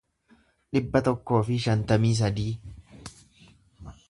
dhibba tokkoo fi shantamii sadii